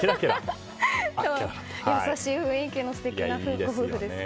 優しい雰囲気の素敵なご夫婦ですね。